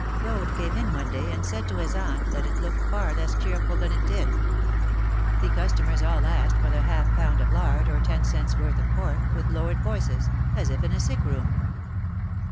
Claude came in one day, and said to his aunt that it looked far less cheerful than it did. The customers all asked for their half pound of lard, or ten cents' worth of pork, with lowered voices, as if in a sick room.